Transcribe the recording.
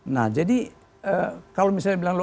nah jadi kalau misalnya bilang